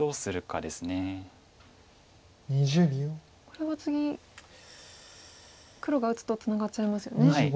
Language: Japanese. これは次黒が打つとツナがっちゃいますよね。